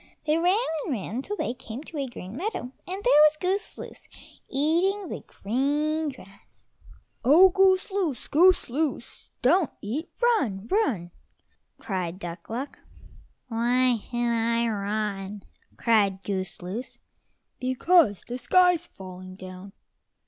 They ran and ran till they came to a green meadow, and there was Goose loose eating the green grass. "Oh, Goose loose, Goose loose, don't eat; run, run," cried Duck luck. "Why should I run?" asked Goose loose. "Because the sky's falling down."